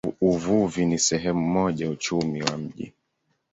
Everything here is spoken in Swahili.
Uvuvi ni sehemu muhimu ya uchumi wa mji.